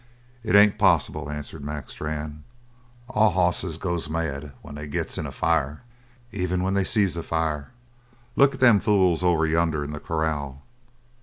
"It ain't possible," answered Mac Strann. "All hosses goes mad when they gets in a fire even when they sees a fire. Look at them fools over yonder in the corral."